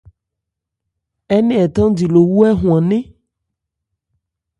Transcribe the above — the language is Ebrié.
Ɛɛ́ nɛn ɛ thándi lo wú hɛ hwannɛ́n.